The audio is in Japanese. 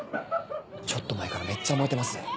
ちょっと前からめっちゃ燃えてます。